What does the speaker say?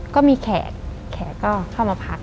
ก็มีแขกแขกก็เข้ามาพัก